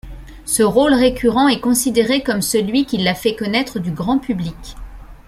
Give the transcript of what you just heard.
Ce rôle récurrent est considéré comme celui qui l'a fait connaître du grand public.